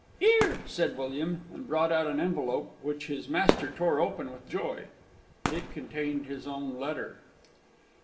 "'Ere!" said William, and brought out an envelope, which his master tore open with joy. It contained his own letter!